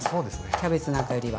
キャベツなんかよりは。